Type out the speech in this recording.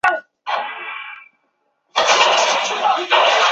大叶杨桐为山茶科杨桐属下的一个种。